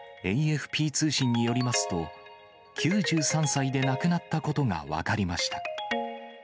ＡＦＰ通信によりますと、９３歳で亡くなったことが分かりました。